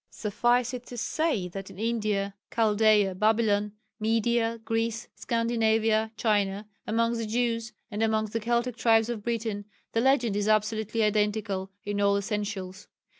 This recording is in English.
Suffice it to say, that in India, Chaldea, Babylon, Media, Greece, Scandinavia, China, amongst the Jews and amongst the Keltic tribes of Britain, the legend is absolutely identical in all essentials.